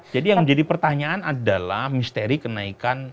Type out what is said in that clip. jadi yang menjadi pertanyaan adalah misteri kenaikan